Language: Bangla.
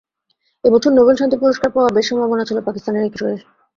এ বছর নোবেল শান্তি পুরস্কার পাওয়ার বেশ সম্ভাবনা ছিল পাকিস্তানের এই কিশোরীর।